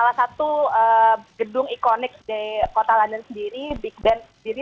tahun baru betul sekali untuk salah satu gedung ikonik di kota london sendiri big band sendiri